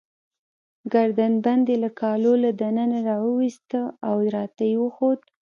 ګردن بند يې له کالو له دننه راوایستی، او راته يې وښود.